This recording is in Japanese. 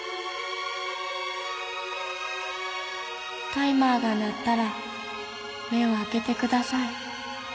タイマーが鳴ったら目を開けてください。